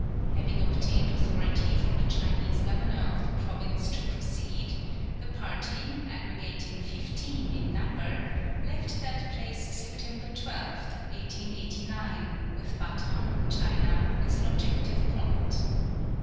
Having obtained authority from the Chinese governor of the province to proceed, the party, aggregating 15 in number, left that place S^tember 12, 1889, with Batang, China, as an objective point.